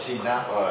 はい。